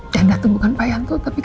dendam itu bukan pak yanto tapi